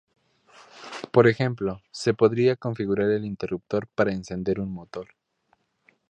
Por ejemplo, se podría configurar el interruptor para encender un motor.